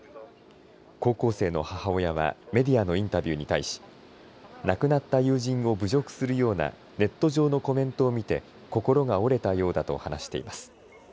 高校生の母親はメディアのインタビューに対し亡くなった友人を侮辱するようなネット上のコメントを見て心が折れたようだと話しています。